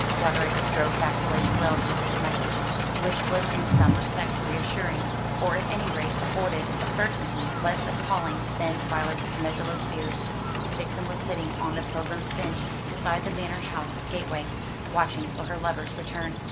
Roderick drove back to Les Tourelles with this message, which was in some respects reassuring, or at any rate afforded a certainty less appalling than Violet's measureless fears. Vixen was sitting on the pilgrim's bench beside the manor house gateway, watching for her lover's return.